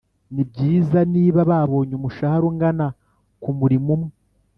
nibyiza niba babonye umushahara ungana kumurimo umwe.